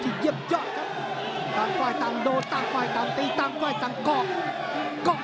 ตั้งไกลตามโดตั้งไกลตามตีตั้งไกลตามเกาะ